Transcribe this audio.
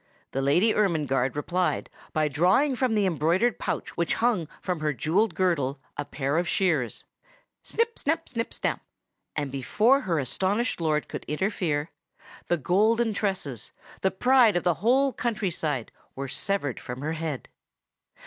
The Lady Ermengarde replied by drawing from the embroidered pouch which hung from her jewelled girdle a pair of shears. Snip! snap! snip! snap! and before her astonished lord could interfere, the golden tresses, the pride of the whole country side, were severed from her head.